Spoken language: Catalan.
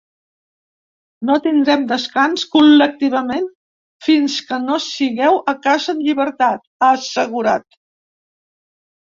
No tindrem descans col·lectivament fins que no sigueu a casa en llibertat, ha assegurat.